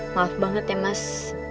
maaf banget ya mas